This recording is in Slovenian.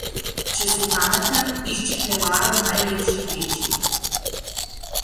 Če si pameten, išči prevaro v najlepši vreči.